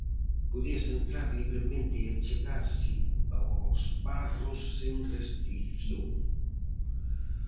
Podíase entrar libremente e achegarse aos barros sen restrición.